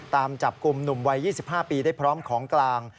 ตามจับกลุ่มหนุ่มวัย๒๕ปีได้พร้อมของกลาง